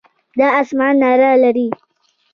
دا آسمان رڼا لري.